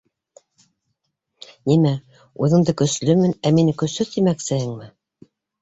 Нимә, үҙеңде көслөмөн, ә мине көсһөҙ тимәксеһеңме?